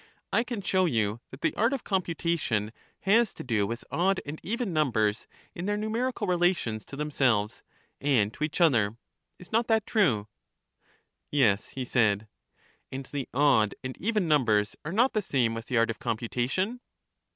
I can show you that the art of computation has to do with odd and even numbers in their numerical rela tions to themselves and to each other. Is not that true? Yes, he said. And the odd and even numbers are not the same with the art of computation?